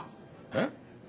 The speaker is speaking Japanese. えっ！？